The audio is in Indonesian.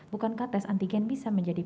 bukankah tes antigen bisa menjadi